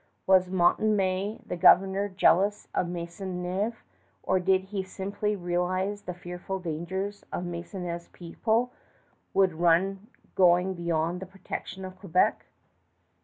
Was Montmagny, the Governor, jealous of Maisonneuve; or did he simply realize the fearful dangers Maisonneuve's people would run going beyond the protection of Quebec?